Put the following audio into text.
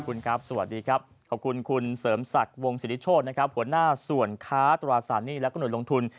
ขอบคุณครับสวัสดีครับขอบคุณคุณเสริมศักดิ์วงสิทธิโชชผลหน้าส่วนค้าตุลาสรรหนี้และกระหนดลงทุน